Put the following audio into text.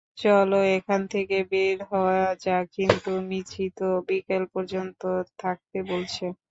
চলো এখান থেকে বের হওয়া যাক কিন্তু মিচি তো বিকাল পর্যন্ত থাকতে বলছে।